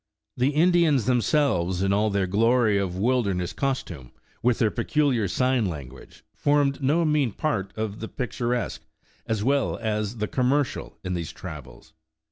The Indians, themselves, in all their glory of wilder ness costume, with their peculiar sign language, formed no inean part of the picturesque, as well as the commer cial, in these travels.